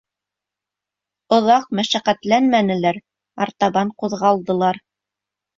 Оҙаҡ мәшәҡәтләнмәнеләр, артабан ҡуҙғалдылар.